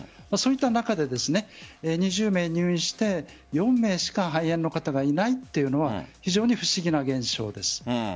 そういった中で２０名入院して４名しか肺炎の方がいないというのは非常に不思議な現象です。